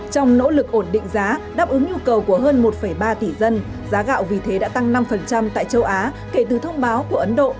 trong nỗ lực ổn định giá đáp ứng nhu cầu của hơn một ba tỷ dân giá gạo vì thế đã tăng năm tại châu á kể từ thông báo của ấn độ